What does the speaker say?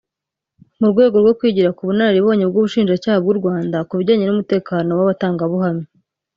mu rwego rwo kwigira ku bunararibonye bw’ubushinjacyaha bw’u Rwanda ku bijyanye n’umutekano w’abatangabuhamya